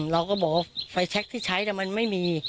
เราก็บอกว่าไฟแชคที่ใช้มันไม่มี